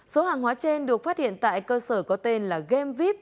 số hàng hóa trên được phát hiện tại cơ sở có tên là gamevip